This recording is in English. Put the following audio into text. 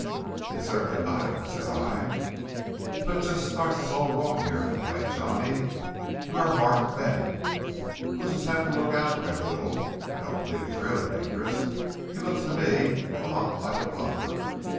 "It certainly got him," said I. "But it just starts us all wrong here," complained Johnny. "We are marked men." "We'll just have to look out for him a little. I don't believe he's really dangerous. He looks to me a lot like a bluffer."